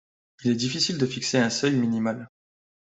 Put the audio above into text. Il est difficile de fixer un seuil minimal.